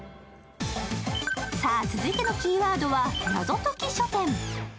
さあ、続いてのキーワードは謎解き書店。